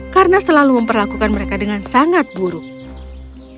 karena selalu memperlakukan mereka dengan sangat buruk